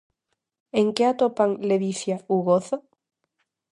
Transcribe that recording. En que atopan ledicia ou gozo?